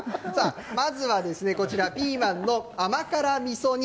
まずはですね、こちらピーマンの甘辛みそ煮。